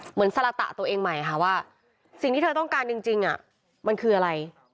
สละตะตัวเองใหม่ค่ะว่าสิ่งที่เธอต้องการจริงมันคืออะไร